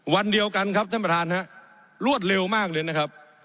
วันเดียวกันครับท่านประธานฮะรวดเร็วมากเลยนะครับ